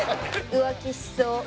浮気しそう。